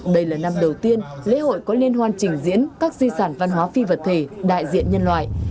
đây là năm đầu tiên lễ hội có liên hoan trình diễn các di sản văn hóa phi vật thể đại diện nhân loại